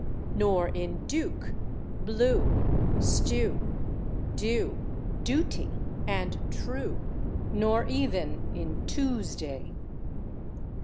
Nor in /duke/, /blue/, /stew/, /due/, /duty/ and /true/. Nor even in /Tuesday